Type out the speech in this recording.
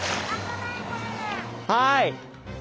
はい。